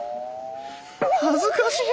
恥ずかしい！